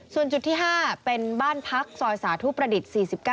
ส่วนจุดที่๕เป็นบ้านพักซอยสาธุประดิษฐ์๔๙